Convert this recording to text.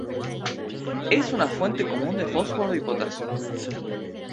Es una fuente común de fósforo y potasio.